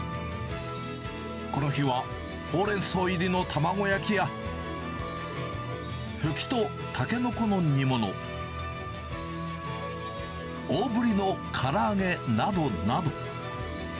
この日は、ホウレンソウ入りの卵焼きや、フキとタケノコの煮物、大ぶりのから揚げなどなど。